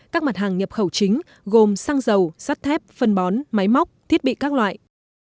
các mặt hàng nhập khẩu chính gồm xăng dầu sắt thép phân bón máy móc thiết bị các loại